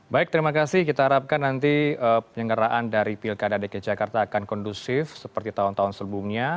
baik terima kasih kita harapkan nanti penyelenggaraan dari pilkada dki jakarta akan kondusif seperti tahun tahun sebelumnya